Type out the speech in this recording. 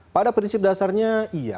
pada prinsip dasarnya iya